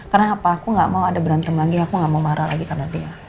karena apa aku nggak mau ada berantem lagi aku nggak mau marah lagi karena dia